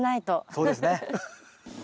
そうですね！